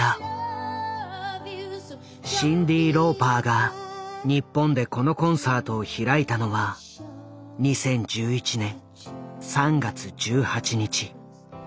シンディ・ローパーが日本でこのコンサートを開いたのは２０１１年３月１８日。